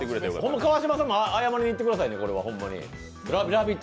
川島さんも謝りに行ってくださいね、「ラヴィット！」